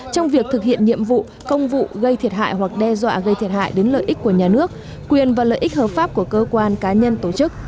trong việc thực hiện nhiệm vụ công vụ gây thiệt hại hoặc đe dọa gây thiệt hại đến lợi ích của nhà nước quyền và lợi ích hợp pháp của cơ quan cá nhân tổ chức